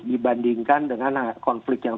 dibandingkan dengan konflik yang